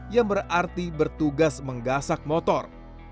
yang berarti bertugas menggasak motor